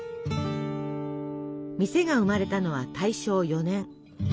店が生まれたのは大正４年。